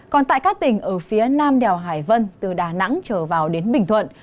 còn tại các tỉnh ở phía nam đèo hải vân từ đà nẵng trở vào đến bình thuận